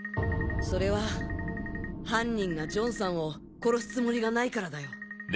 それは犯人がジョンさんを殺すつもりがないからだよ。